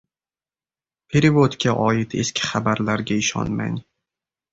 «Perevod»ga oid eski xabarlarga ishonmang!